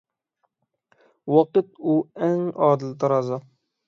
ۋاقىت، ئۇ ئەڭ ئادىل تارازا.